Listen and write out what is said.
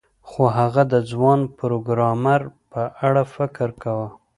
خو هغه د ځوان پروګرامر په اړه فکر کاوه